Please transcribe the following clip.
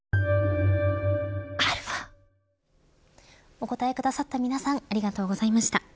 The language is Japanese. お答えくださった皆さんありがとうございました。